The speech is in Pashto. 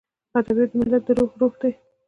ادبیات د ملت د روح روح دی.